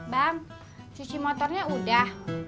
bang cuci motornya udah